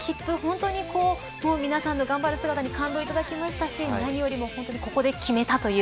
本当に皆さんの頑張る姿に感動しましたし何よりもここで決めたという。